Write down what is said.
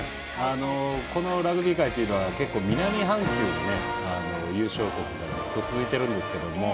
このラグビー界は結構、南半球に優勝国がずっと続いているんですが。